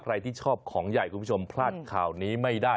ใครที่ชอบของใหญ่คุณผู้ชมพลาดข่าวนี้ไม่ได้